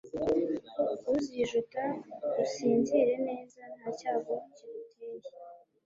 uzijuta, usinzire neza, nta cyago kiguteye